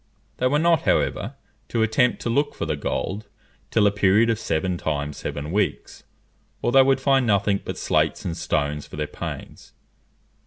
They were not, however, to attempt to look for the gold till a period of seven times seven weeks, or they would find nothing but slates and stones for their pains.